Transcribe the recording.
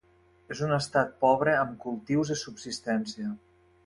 És un estat pobre amb cultius de subsistència.